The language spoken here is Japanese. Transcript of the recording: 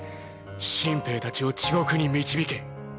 新兵たちを地獄に導け。